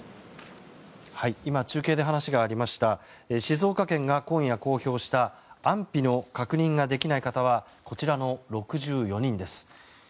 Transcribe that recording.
中継で話がありました静岡県が今夜公表した安否の確認ができない方はこちらの６４人です。